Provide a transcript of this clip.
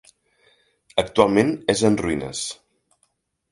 Actualment és en ruïnes.